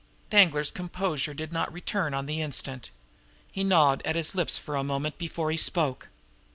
Danglar's composure did not return on the instant. He gnawed at his lips for a moment before he spoke.